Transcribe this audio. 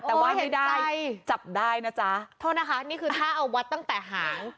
แต่ว่าให้ได้จับได้นะจ๊ะโทษนะคะนี่คือห้าเอาวัดตั้งแต่หาง